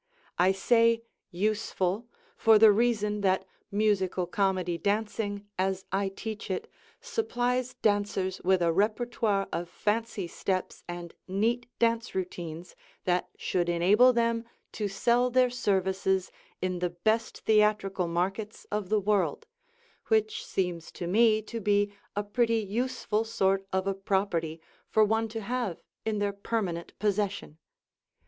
I say "useful," for the reason that Musical Comedy dancing as I teach it supplies dancers with a repertoire of fancy steps and neat dance routines that should enable them to sell their services in the best theatrical markets of the world, which seems to me to be a pretty "useful" sort of a property for one to have in their permanent possession.